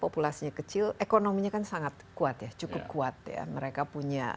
populasinya kecil ekonominya kan sangat kuat ya cukup kuat ya mereka punya